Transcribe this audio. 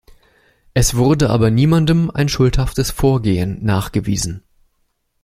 Es wurde aber niemandem ein schuldhaftes Vorgehen nachgewiesen.